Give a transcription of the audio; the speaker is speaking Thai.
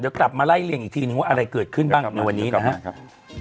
เดี๋ยวกลับมาไล่เรียงอีกทีนึงว่าอะไรเกิดขึ้นบ้างในวันนี้นะครับ